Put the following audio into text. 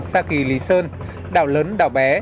xa kỳ lý sơn đảo lớn đảo bé